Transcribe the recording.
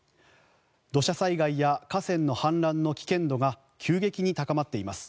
土砂災害や河川の氾濫の危険度が急激に高まっています。